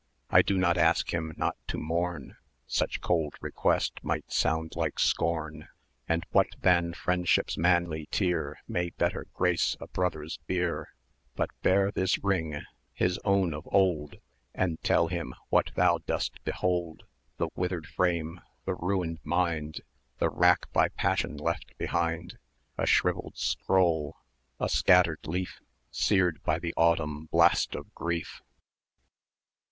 I do not ask him not to mourn, Such cold request might sound like scorn; And what than Friendship's manly tear May better grace a brother's bier? 1250 But bear this ring, his own of old, And tell him what thou dost behold! The withered frame, the ruined mind, The wrack by passion left behind, A shrivelled scroll, a scattered leaf, Seared by the autumn blast of Grief!